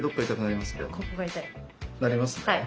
なりますね。